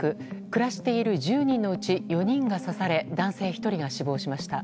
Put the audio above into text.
暮らしている１０人のうち４人が刺され男性１人が死亡しました。